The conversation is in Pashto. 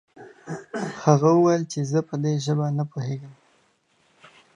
هغه وويل چې زه په دې ژبه نه پوهېږم.